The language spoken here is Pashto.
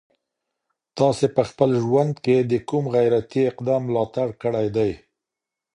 تاسي په خپل ژوند کي د کوم غیرتي اقدام ملاتړ کړی دی؟